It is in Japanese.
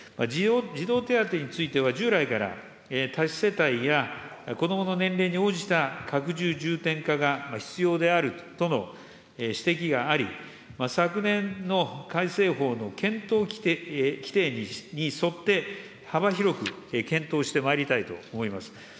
児童手当については、従来から多子世帯や子どもの年齢に応じた拡充重点化が必要であるとの指摘があり、昨年の改正法の検討規定に沿って、幅広く検討してまいりたいと思います。